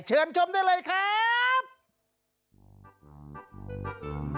เชิญชมได้เลยครับ